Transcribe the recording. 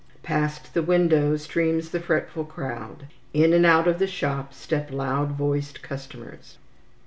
Past the window streams the fretful crowd; in and out of the shop step loud voiced customers.